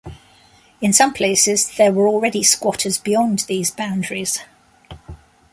In some places there were already squatters beyond these boundaries.